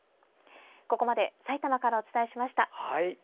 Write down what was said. ここまで、さいたまからお伝えしました。